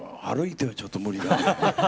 歩いてはちょっと無理だね。